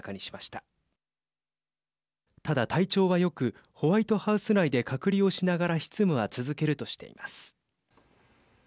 ただ、体調はよくホワイトハウス内で隔離をしながら執務は続けるとしています。